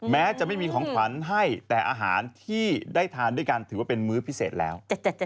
แม้จะไม่มีของขวัญให้แต่อาหารที่ได้ทานด้วยกันถือว่าเป็นมื้อพิเศษแล้ว